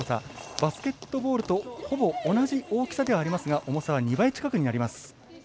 バスケットボールとほぼ同じ大きさではありますが重さは２倍近くになります。